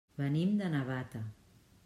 Venim de Navata.